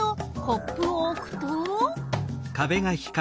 コップをおくと。